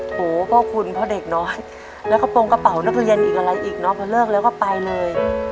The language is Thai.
โหพ่อคุณพ่อเด็กน้อยแล้วกระโปรงกระเป๋านักเรียนอีกอะไรอีกเนอะพอเลิกแล้วก็ไปเลย